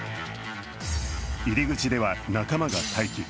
入り口では仲間が待機。